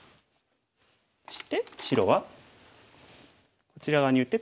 そして白はこちら側に打って。